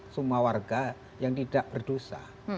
semua warga yang tidak berdosa